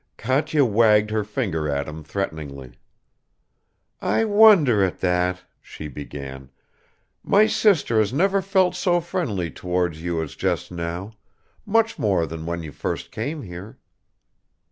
Katya wagged her finger at him threateningly. "I wonder at that," she began; "my sister has never felt so friendly towards you as just now; much more than when you first came here."